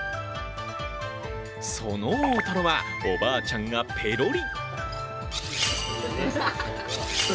その大とろは、おばあちゃんがペロリ。